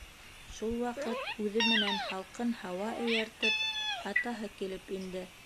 Шул ваҡыт, үҙе менән һалҡын һауа эйәртеп, атаһы килеп инде.